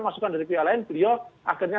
masukan dari pihak lain beliau akhirnya